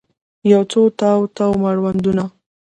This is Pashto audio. یوڅو تاو، تاو مړوندونه